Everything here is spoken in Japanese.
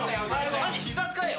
膝使えよ。